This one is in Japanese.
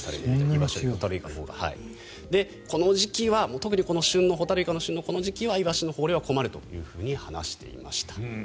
特にホタルイカの旬のこの時期はイワシの豊漁は困ると話していました。